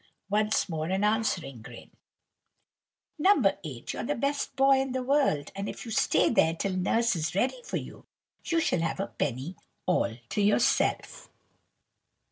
Once more an answering grin. "No. 8, you're the best boy in the world; and if you stay there till Nurse is ready for you, you shall have a penny all to yourself."